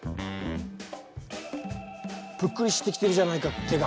ぷっくりしてきてるじゃないか手が。